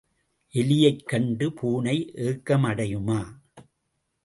எலியைக் கண்டு பூனை ஏக்கம் அடையுமா?